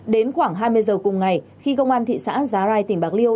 đến khoảng hai mươi giờ cùng ngày khi công an thị xã giá rai tỉnh bạc liêu